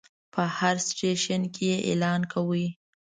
په هر سټیشن کې یې اعلان کاوه.